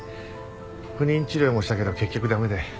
不妊治療もしたけど結局駄目で。